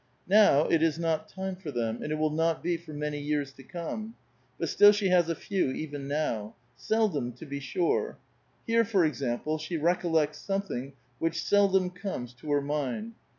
Now it is not time for them, and it will not be for many years to come. But still she has a few even now ; seldom, to be sure. Here, for example, she recollects something which seldom comes to her mind.